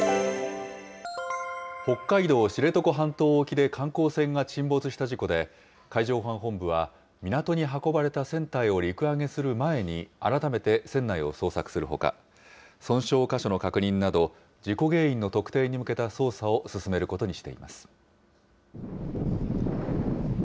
北海道知床半島沖で観光船が沈没した事故で、海上保安本部は、港に運ばれた船体を陸揚げする前に、改めて船内を捜索するほか、損傷箇所の確認など、事故原因の特定に向けた捜査を進めることにしています。